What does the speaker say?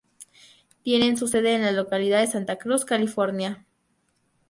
Tienen su sede en la localidad de Santa Cruz, California.